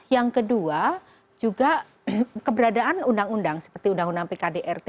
yang kedua juga keberadaan undang undang seperti undang undang pkdrt